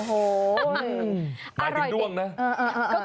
หมายถึงด้วงนะ